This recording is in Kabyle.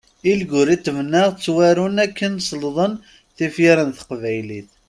Ilguritment-a ttwaru akken selḍen tifyar n teqbaylit.